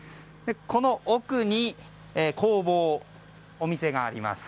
この奥に、工房お店があります。